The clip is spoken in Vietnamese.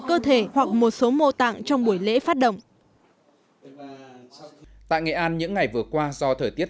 cơ thể hoặc một số mô tạng trong buổi lễ phát động tại nghệ an những ngày vừa qua do thời tiết